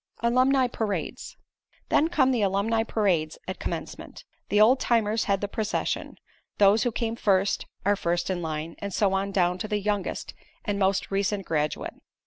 ALUMNI PARADES Then come the alumni parades at Commencement. The old timers head the procession; those who came first, are first in line, and so on down to the youngest and most recent graduate.